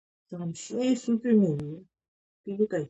მოესწრო ისლამის გავრცელებას, გამაჰმადიანდა შვილებთან ერთად.